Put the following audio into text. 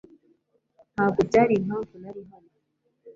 Ntabwo byari impamvu nari hano